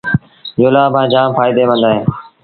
جُلآݩبآݩ جآم ڦآئيٚدي مند اهي